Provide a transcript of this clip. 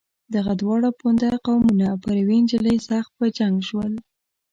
دغه دواړه پوونده قومونه پر یوې نجلۍ سخت په جنګ شول.